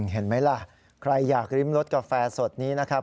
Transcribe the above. เห็นไหมล่ะใครอยากริมรสกาแฟสดนี้นะครับ